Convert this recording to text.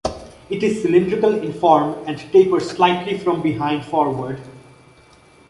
It is cylindrical in form and tapers slightly from behind forward.